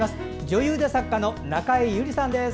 女優で作家の中江有里さんです。